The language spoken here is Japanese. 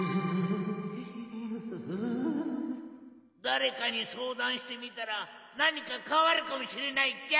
だれかにそうだんしてみたらなにかかわるかもしれないっちゃ。